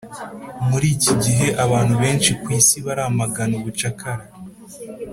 muri iki gihe, abantu benshi ku isi baramagana ubucakara.